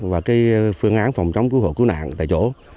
và phương án phòng chống cứu hộ cứu nạn tại chỗ